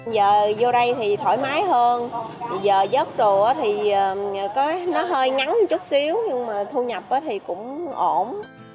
giờ vô đây thì thoải mái hơn giờ dớt rùa thì có nó hơi ngắn chút xíu nhưng mà thu nhập thì cũng ổn